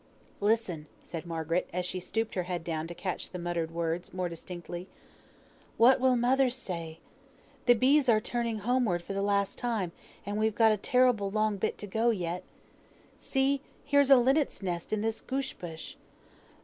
"Listen!" said Margaret, as she stooped her head down to catch the muttered words more distinctly. "What will mother say? The bees are turning homeward for th' last time, and we've a terrible long bit to go yet. See! here's a linnet's nest in this gorse bush.